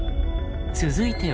続いては。